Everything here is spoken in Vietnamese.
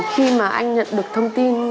khi mà anh nhận được thông tin